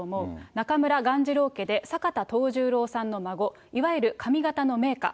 中村雁次郎家で坂田藤十郎さんの孫、いわゆる上方の名家。